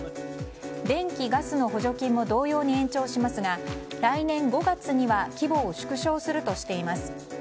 電気・ガスの補助金も同様に延長しますが来年５月には規模を縮小するとしています。